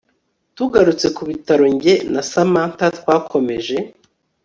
Tugarutse kubitaro njye na Samantha twakomeje